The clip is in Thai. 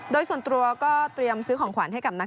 โดยส่วนตัวก็เตรียมซื้อของขวัญให้กับนัก